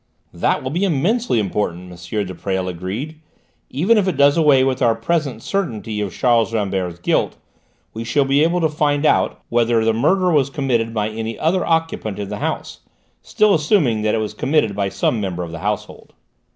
"That will be immensely important," M. de Presles agreed. "Even if it does away with our present certainty of Charles Rambert's guilt, we shall be able to find out whether the murder was committed by any other occupant of the house still assuming that it was committed by some member of the household."